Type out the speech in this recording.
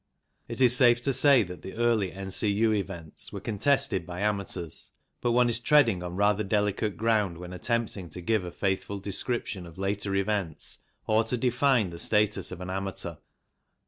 It is safe to say that the early N.C.U. events were contested by amateurs, but one is treading on rather delicate ground when attempting to give a faithful description of later events or to define the status of an amateur.